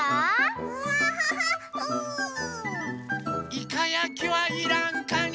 イカやきはいらんかね！